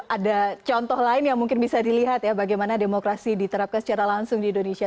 ada contoh lain yang mungkin bisa dilihat ya bagaimana demokrasi diterapkan secara langsung di indonesia